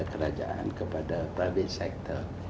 kerajaan kepada private sector